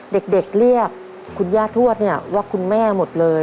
เด็กเรียกคุณย่าทวดเนี่ยว่าคุณแม่หมดเลย